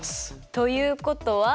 ということは？